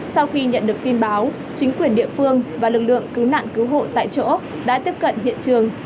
sau khi nhận được tin báo chính quyền địa phương và lực lượng cứu nạn cứu hộ tại chỗ đã tiếp cận hiện trường